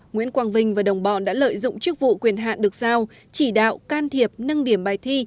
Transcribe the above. nguyễn quang vinh và đồng bọn đã lợi dụng chức vụ quyền hạn được giao chỉ đạo can thiệp nâng điểm bài thi